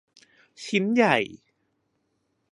ชิ้นใหญ่